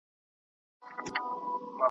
له خوشحاله بیا تر اوسه ارمانجن یو .